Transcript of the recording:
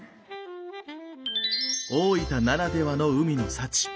大分ならではの海の幸。